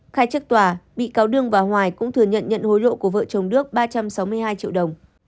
khai chức tòa bị cáo đương và hoài cũng thừa nhận nhận hối lộ của vợ chồng đức ba trăm sáu mươi hai triệu đồng